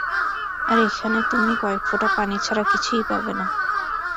আর এখানে তুমি কয়েক ফোটা পানি ছাড়া কিছুই পাবেনা।